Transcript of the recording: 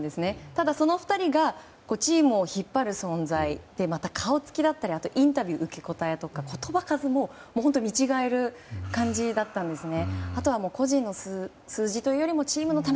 ただ、その２人がチームを引っ張る存在でまた、顔つきだったりインタビューの受け答え言葉数も見違える感じだったんですね。